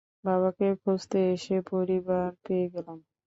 বাবাকে খুজঁতে এসে পরিবার পেয়ে গেলাম।